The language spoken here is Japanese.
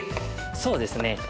そうですね。